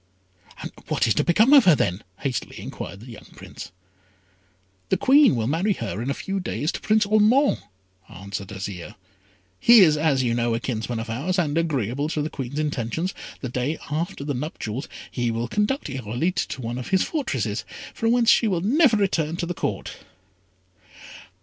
"And what is to become of her, then?" hastily inquired the young Prince. "The Queen will marry her in a few days to Prince Ormond," answered Azire. "He is, as you know, a kinsman of ours; and, agreeable to the Queen's intentions, the day after the nuptials he will conduct Irolite to one of his fortresses, from whence she will never return to the Court."